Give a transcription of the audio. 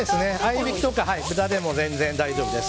合いびきとか、豚でも全然大丈夫です。